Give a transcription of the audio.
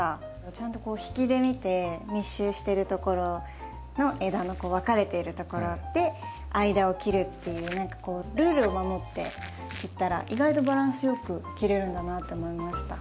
ちゃんとこう引きで見て密集してるところの枝の分かれてるところで間を切るっていう何かこうルールを守って切ったら意外とバランスよく切れるんだなって思いました。